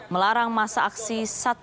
melarang masa aksi satu ratus dua belas